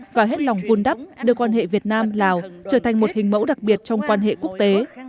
và hết lòng vun đắp đưa quan hệ việt nam lào trở thành một hình mẫu đặc biệt trong quan hệ quốc tế